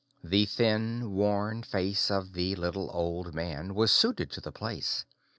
The thin, worn face of the little old man was suited to the place.